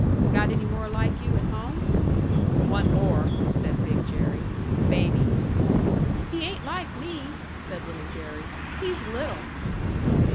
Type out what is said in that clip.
"Got any more like you at home?" "One more," said Big Jerry. "Baby." "He ain't like me," said Little Jerry. "He's little."